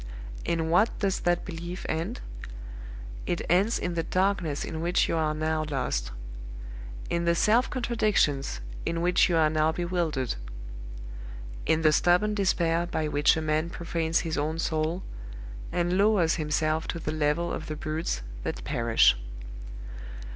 In what does that belief end? It ends in the darkness in which you are now lost; in the self contradictions in which you are now bewildered; in the stubborn despair by which a man profanes his own soul, and lowers himself to the level of the brutes that perish.